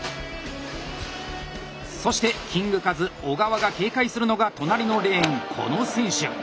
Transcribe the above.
そしてキングカズ小川が警戒するのが隣のレーンこの選手。